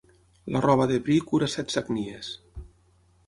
La roba de bri cura set sagnies.